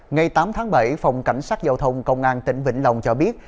ngày tám tháng bảy phòng cảnh sát giao thông công an tỉnh vĩnh long cho biết